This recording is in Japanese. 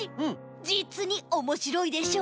じつにおもしろいでしょう？